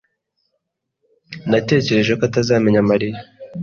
Natekereje ko atazamenya Mariya